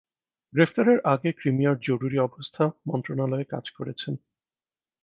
গ্রেফতারের আগে ক্রিমিয়ার জরুরী অবস্থা মন্ত্রণালয়ে কাজ করেছেন।